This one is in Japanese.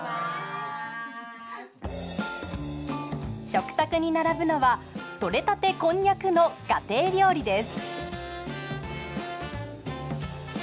食卓に並ぶのは取れたてこんにゃくの家庭料理です。